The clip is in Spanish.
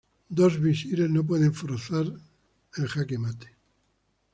Dos visires no pueden forzar el jaque mate.